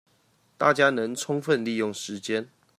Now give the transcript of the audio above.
大家能充分利用時間